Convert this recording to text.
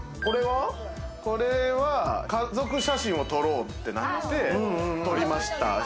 これは家族写真を撮ろうってなって取りましたね。